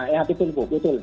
ya betul bu